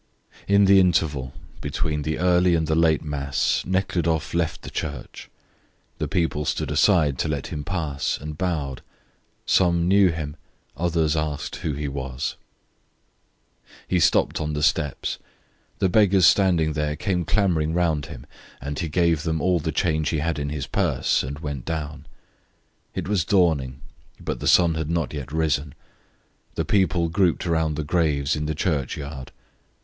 In the interval between the early and the late mass Nekhludoff left the church. The people stood aside to let him pass, and bowed. Some knew him; others asked who he was. He stopped on the steps. The beggars standing there came clamouring round him, and he gave them all the change he had in his purse and went down. It was dawning, but the sun had not yet risen. The people grouped round the graves in the churchyard.